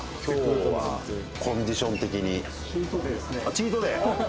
チートデイ？